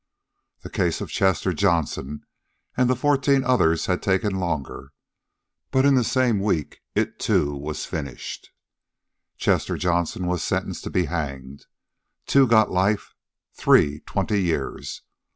The case of Chester Johnson and the fourteen others had taken longer, but within the same week, it, too, was finished. Chester Johnson was sentenced to be hanged. Two got life; three, twenty years.